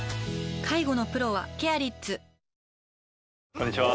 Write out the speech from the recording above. こんにちは。